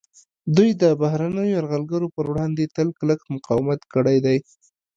دوی د بهرنیو یرغلګرو پر وړاندې تل کلک مقاومت کړی دی